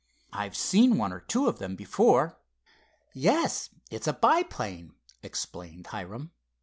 "I've seen one or two of them before." "Yes, it's a biplane," explained Hiram.